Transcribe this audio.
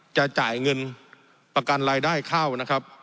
จะจ่ายเงินประกันรายได้เข้านะครับ